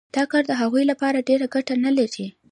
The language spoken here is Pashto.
دا کار د هغوی لپاره ډېره ګټه نلري